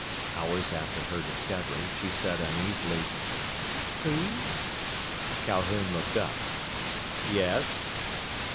Hours after her discovery, she said uneasily, "Please?" Calhoun looked up. "Yes?"